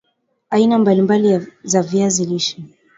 aina mbali mbali za viazi lishe